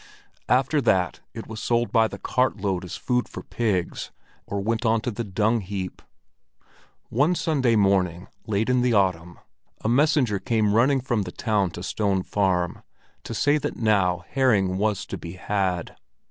After that it was sold by the cartload as food for the pigs, or went on to the dungheap. One Sunday morning late in the autumn, a messenger came running from the town to Stone Farm to say that now herring was to be had.